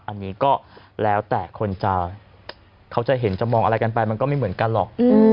อันนี้ก็แล้วแต่คนจะเขาจะเห็นจะมองอะไรกันไปมันก็ไม่เหมือนกันหรอก